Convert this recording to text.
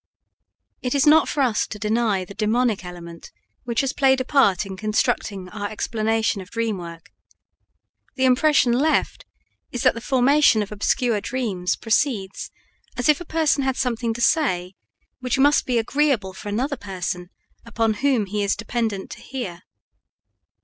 It is not for us to deny the demonic element which has played a part in constructing our explanation of dream work. The impression left is that the formation of obscure dreams proceeds as if a person had something to say which must be agreeable for another person upon whom he is dependent to hear.